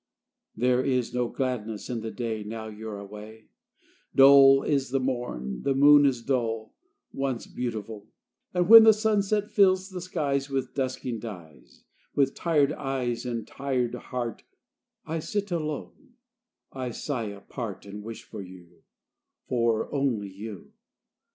XX There is no gladness in the day Now you're away; Dull is the morn, the noon is dull, Once beautiful; And when the sunset fills the skies With dusking dyes, With tired eyes and tired heart I sit alone, I sigh apart, And wish for you, For only you.